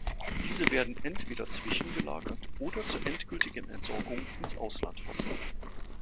Diese werden entweder zwischengelagert oder zur endgültigen Entsorgung ins Ausland verbracht.